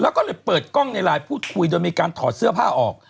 แล้วก็เลยเปิดกล้องในไลน์พูดคุยโดยมีการถอดเสื้อผ้าออก